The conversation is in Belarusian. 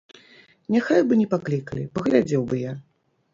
Няхай бы не паклікалі, паглядзеў бы я!